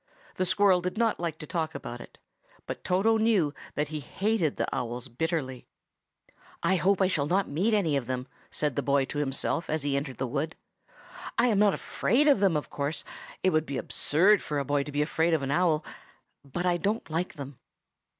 The squirrel did not like to talk about it, but Toto knew that he hated the owls bitterly. "I hope I shall not meet any of them," said the boy to himself as he entered the wood. "I am not afraid of them, of course,—it would be absurd for a boy to be afraid of an owl,—but I don't like them."